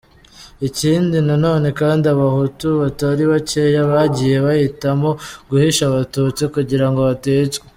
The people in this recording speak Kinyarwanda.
Ikindi na none kandi, abahutu batari bacyeya, bagiye bahitamo guhisha abatutsi, kugirango baticwa.